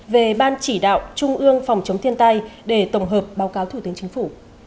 về ban chỉ đạo trung ương phòng chống thiên tai để tổng hợp báo cáo thủ tướng chính phủ